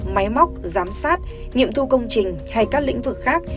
máy móc giám sát nghiệm thu công trình hay các lĩnh vực khác